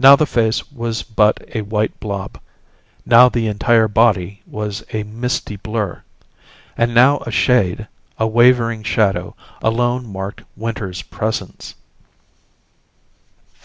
Now the face was but a white blob. Now the entire body was but a misty blur. And now a shade, a wavering shadow, alone marked Winter's presence.